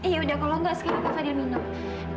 iya udah kalau enggak sekarang kak fadil minum